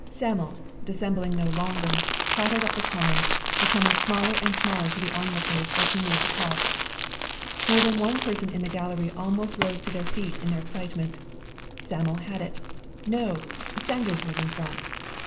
Sam'l, dissembling no longer, clattered up the common, becoming smaller and smaller to the onlookers as he neared the top. More than one person in the gallery almost rose to their feet in their excitement. Sam'l had it. No, Sanders was in front.